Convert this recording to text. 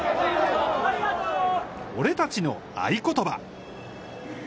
俺たちの合言葉。